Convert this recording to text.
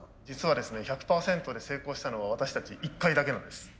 実はですね１００％で成功したのは私たち一回だけなんです。